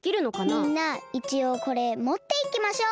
みんないちおうこれもっていきましょう。